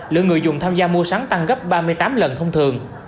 lượng người dùng tham gia mua sắm tăng gấp ba mươi tám lần thông thường